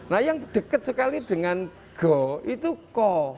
nah yang deket sekali dengan go itu ko